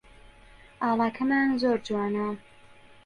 ئاڵاکەمان زۆر جوانە